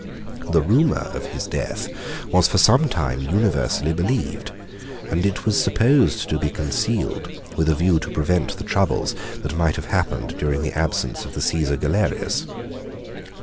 The rumor of his death was for some time universally believed, and it was supposed to be concealed with a view to prevent the troubles that might have happened during the absence of the Cæsar Galerius.